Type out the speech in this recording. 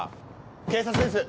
警察です